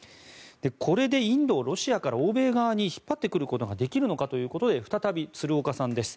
これでインドをロシアから欧米側に引っ張ってくることができるのかということで再び鶴岡さんです。